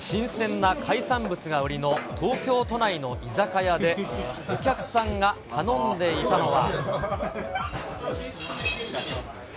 新鮮な海産物が売りの、東京都内の居酒屋で、お客さんが頼んでいたのは。